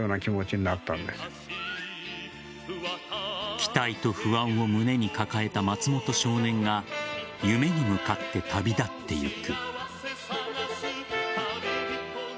期待と不安を胸に抱えた松本少年が夢に向かって旅立っていく。